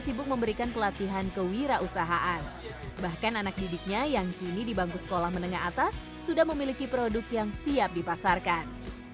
sibuk memberikan pelatihan kewirausahaan bahkan anak didiknya yang kini di bangku sekolah menengah atas sudah memiliki produk yang siap dipasarkan